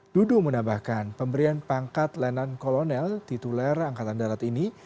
dudung menambahkan pemberian pangkat lenan kolonel tituler angkatan darat ini